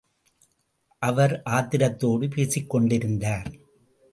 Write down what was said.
அவர் ஆத்திரத்தோடு பேசிக்கொண்டிருந்தார்.